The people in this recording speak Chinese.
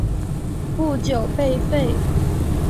不久被废。